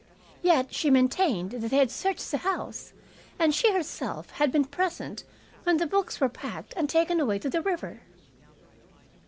Yet she maintained that they had searched the house, and she herself had been present when the books were packed and taken away to the river.